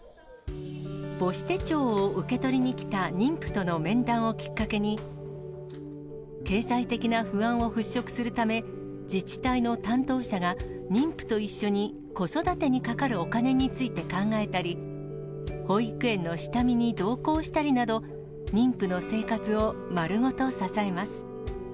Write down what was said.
母子手帳を受け取りに来た妊婦との面談をきっかけに、経済的な不安を払しょくするため、自治体の担当者が、妊婦と一緒に子育てにかかるお金について考えたり、保育園の下見に同行したりなど、妊婦の生活をまるごと支えます。